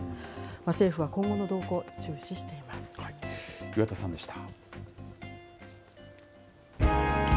政府は今後の動向、注視していま岩田さんでした。